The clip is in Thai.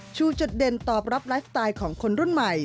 จุดเด่นตอบรับไลฟ์สไตล์ของคนรุ่นใหม่